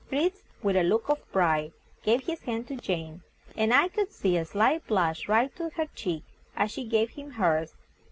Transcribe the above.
Fritz, with a look of pride, gave his hand to Jane, and I could see a slight blush rise to her cheek as she gave him hers.